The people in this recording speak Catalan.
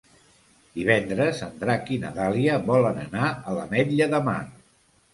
Divendres en Drac i na Dàlia volen anar a l'Ametlla de Mar.